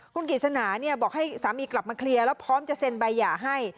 คุณกิจสนาบอกให้สามีกลับมาเคลียร์แล้วพร้อมจะเซ็นใบหย่าให้